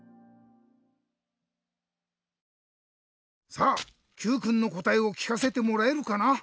さあＱくんのこたえをきかせてもらえるかな？